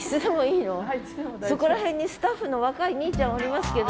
そこら辺にスタッフの若いにいちゃんおりますけど。